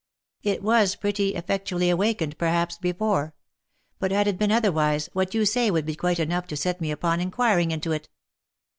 It was pretty effectually awakened perhaps before ; but had it been otherwise, what you say would be quite enough to set me upon inquiring into it.